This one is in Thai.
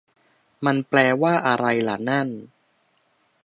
มันแปลว่าอะไรละนั่น